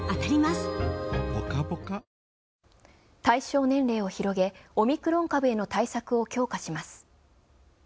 対象年齢を広げ、オミクロン株への対策を強化します。